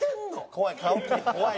怖い。